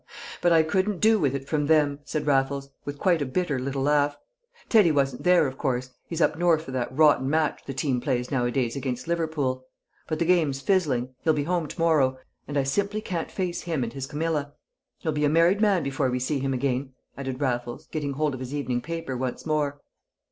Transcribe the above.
"But I couldn't do with it from them," said Raffles, with quite a bitter little laugh. "Teddy wasn't there, of course; he's up north for that rotten match the team play nowadays against Liverpool. But the game's fizzling, he'll be home to morrow, and I simply can't face him and his Camilla. He'll be a married man before we see him again," added Raffles, getting hold of his evening paper once more.